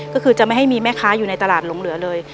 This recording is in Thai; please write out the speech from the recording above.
ก็คือจะไม่ให้มีแม่ค้าอยู่ในตลาดหลงเหลือเลย